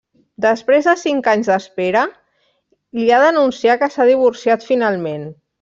Després de cinc anys d'espera, li ha d'anunciar que s’ha divorciat finalment.